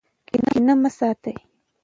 کینه مه ساتئ.